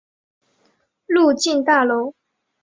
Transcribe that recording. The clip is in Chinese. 入境大楼